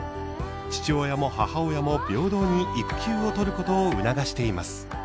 父親も母親も平等に育休を取ることを促しています。